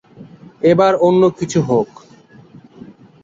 গদ্যে এর জবাব দিয়েছেন।